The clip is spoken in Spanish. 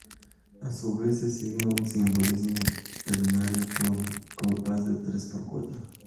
A su vez, se sigue un simbolismo ternario, con compás de tres por cuatro.